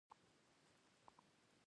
ایا زه باید په ارزګان کې اوسم؟